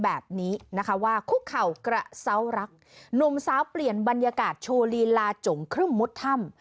แบบนี้นะคะว่าคุกเขากระเศร้ารักหนุ่มเศร้าเปลี่ยนบรรยากาศโชลีลาจมครึ่มมดธรรม